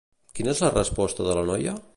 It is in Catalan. Quina és la resposta de la noia?